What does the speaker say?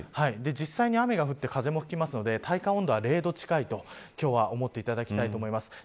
実際に雨が降って風も吹くので体感温度は０度近いと今日は思っていただきたいと思います。